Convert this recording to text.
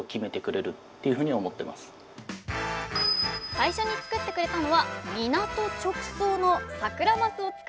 最初に作ってくれたのは港直送のサクラマスを使った魚料理。